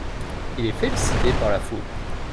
Il est félicité par la foule.